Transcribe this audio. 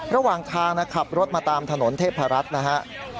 ระหว่างทางขับรถมาตามถนนเทพรัฐนะฮะ